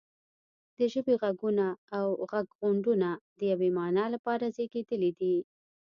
د ژبې غږونه او غږغونډونه د یوې معنا لپاره زیږیدلي دي